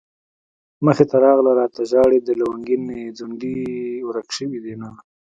مخې ته راغله راته ژاړي د لونګين نه يې ځونډي ورک شوي دينه